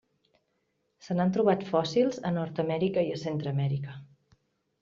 Se n'han trobat fòssils a Nord-amèrica i Centreamèrica.